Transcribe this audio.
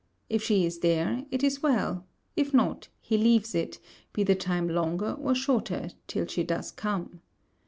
If she is there, it is well; if not, he leaves it, be the time longer or shorter till she does come.